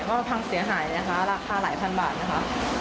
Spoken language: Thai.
ก็พังเสียหายนะคะราคาหลายพันบาทนะคะ